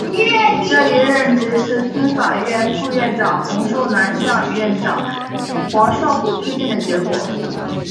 这一任职是司法院副院长洪寿南向院长黄少谷推荐的结果。